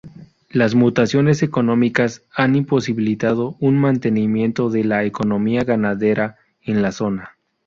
Las mutaciones económicas han imposibilitado un mantenimiento de la economía ganadera en la zona.